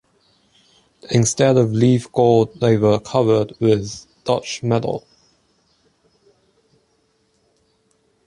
Instead of leaf gold they were covered with Dutch metal.